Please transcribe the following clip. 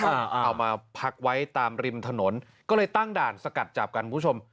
เอามาพักไว้ตามริมถนนก็เลยตั้งด่านสกัดจับกันคุณผู้ชม